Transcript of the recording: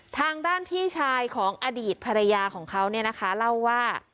ทางด้านพี่ชายของอดีตภรรยาของเขาเนี่ยนะคะเล่าว่า